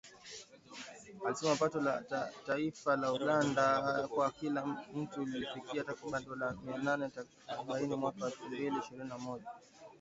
Ilisema pato la taifa la Uganda kwa kila mtu lilifikia takriban dola mia nane arobaini mwaka wa elfu mbili ishirini na moja